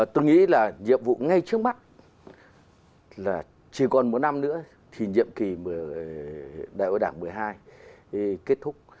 tôi nghĩ là nhiệm vụ ngay trước mắt là chỉ còn một năm nữa thì nhiệm kỳ đại hội đảng một mươi hai kết thúc